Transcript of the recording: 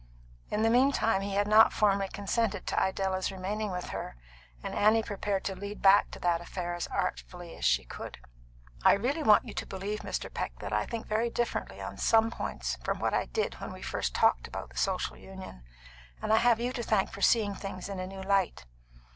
In the meantime he had not formally consented to Idella's remaining with her, and Annie prepared to lead back to that affair as artfully as she could. "I really want you to believe, Mr. Peck, that I think very differently on some points from what I did when we first talked about the Social Union, and I have you to thank for seeing things in a new light.